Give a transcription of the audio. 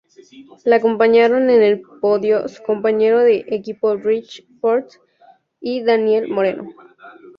Le acompañaron en el podio su compañero de equipo Richie Porte y Daniel Moreno.